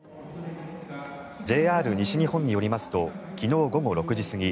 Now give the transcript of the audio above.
ＪＲ西日本によりますと昨日午後６時過ぎ